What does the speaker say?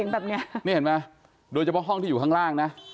แบบนี้นี่เห็นไหมโดยเฉพาะห้องที่อยู่ข้างล่างนะ